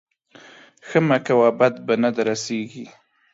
ښه مه کوه بد به نه در رسېږي.